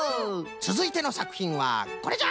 つづいてのさくひんはこれじゃ！